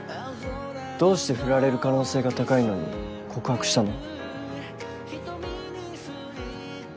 どうしてフラれる可能性が高いのに告白したの？